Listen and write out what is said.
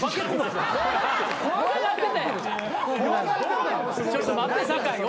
ちょっと待って酒井思い出せ。